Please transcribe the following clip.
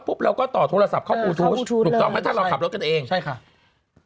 เราก็ต่อโทรศัพท์เข้าปลูทูธถูกต้องไหมถ้าเราขับรถกันเองใช่ค่ะ